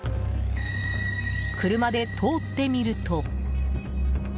車で通ってみると。